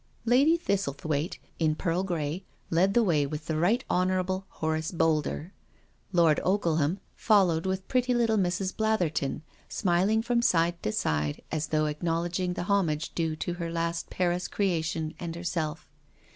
Lady Thistlethwaite, in pearl grey, led the way with the Right Honourable Horace Boulder. Lord Ogle ham followed with pretty little Mrs. Blatherton, smiling from side to side as though acknowledging the homage due to her last Paris creation and herself.